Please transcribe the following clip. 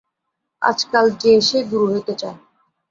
আজকাল যে-সে গুরু হইতে চায়।